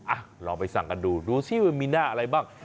อ่ะลองไปสั่งกันดูดูสิว่ามีหน้าอะไรบ้าง